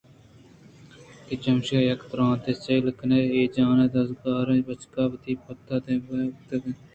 کہ چمیشاں یکّے ءَ درّائینت سیل کن ئے اے جان دزّءُ بے کار یں بچکّ ءَ کہ وتی پِت ئِے پادان کُتگ ءُ وت سوار اِنت